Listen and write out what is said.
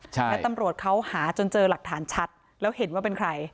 แล้วตำรวจเขาหาจนเจอหลักฐานชัดแล้วเห็นว่าเป็นใคร